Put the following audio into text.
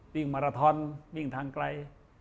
มาราทอนวิ่งทางไกล